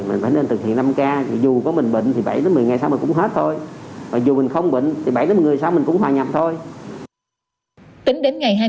mình phải nên thực hiện năm k dù có mình bệnh thì bảy một mươi ngày sau mình cũng hết thôi